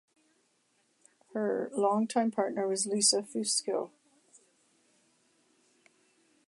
Her longtime partner was Lisa Fusco.